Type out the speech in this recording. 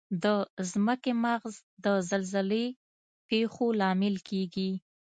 د ځمکې مغز د زلزلې پېښو لامل کیږي.